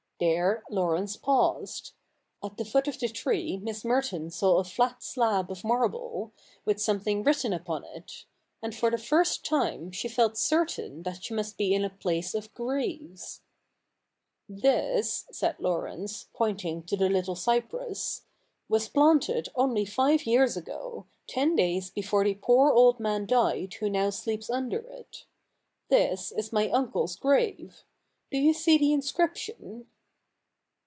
There Laurence paused. At the foot of the tree Miss Merton saw a flat slab of marble, with something written upon it ; and for the first time she felt certain that she must be in a place of graves. 'This,' said Laurence, pointing to the little cypress, ' was planted only five years ago, ten days before the poor old man died who now sleeps under it. This is my uncle's grave. Do you see the inscription